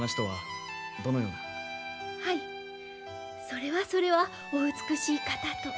それはそれはお美しい方と。